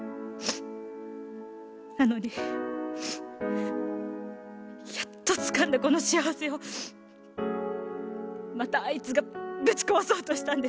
なのにやっとつかんだこの幸せをまたあいつがぶち壊そうとしたんです。